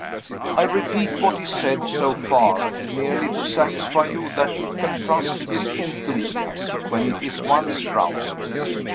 I repeat what he said, so far, merely to satisfy you that we can trust his enthusiasm, when it is once roused.